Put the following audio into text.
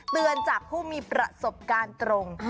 จากผู้มีประสบการณ์ตรง